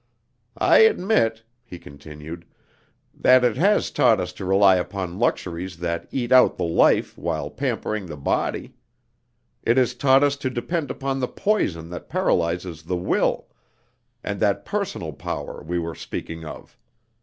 "I admit," he continued, "that it has taught us to rely upon luxuries that eat out the life while pampering the body. It has taught us to depend upon the poison that paralyzes the will, and that personal power we were speaking of.